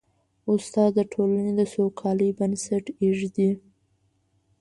استاد د ټولنې د سوکالۍ بنسټ ږدي.